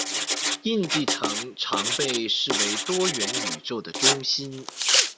印记城常被视为多元宇宙的中心。